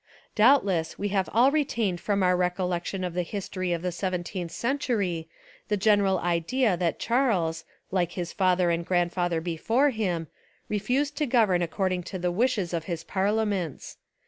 Doubtless we have all retained from our recol lection of the history of the seventeenth cen tury the general idea that Charles, like his father and grandfather before him, refused to govern according to the wishes of his parlia ments.